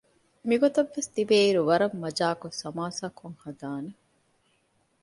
މިގޮތަށްވެސް ތިބޭއިރު ވަރަށް މަޖާކޮށް ސަމާސާކޮށް ހަދާނެ